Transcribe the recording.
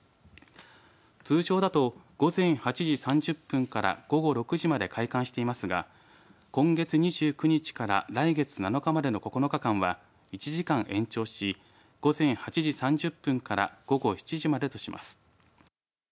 通常だと午前８時３０分から午後６時まで開館していますが今月２９日から来月７日までの９日間は１時間延長し午前８時３０分から午後７時までとします。